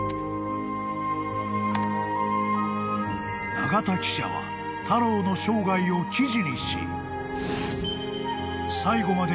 ［長田記者はタローの生涯を記事にし］